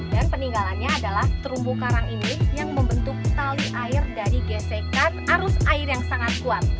dan peninggalannya adalah terumbu karang ini yang membentuk tali air dari gesekan arus air yang sangat kuat